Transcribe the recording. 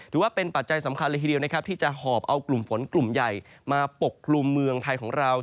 ปัจจัยสำคัญเลยทีเดียวนะครับที่จะหอบเอากลุ่มฝนกลุ่มใหญ่มาปกกลุ่มเมืองไทยของเรา